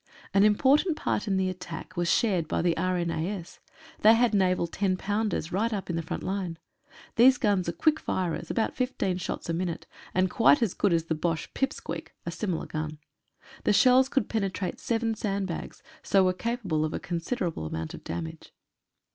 An important part in the attack was shared by the R.N.A.S. They had naval 10 pounders light up in the front line. These guns are quick firers, about 15 shots a minute, and quite as good as the Bosche "pipsqueak" — a similar gun. The shells could penetrate seven sand bags — so were capable of a considerable amount of damage.